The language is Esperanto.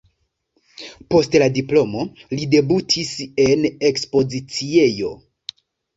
Post la diplomo li debutis en ekspoziciejo.